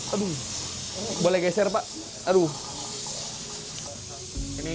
aduh boleh geser pak aduh